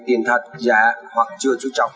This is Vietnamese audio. tiền thật giả hoặc chưa chú trọng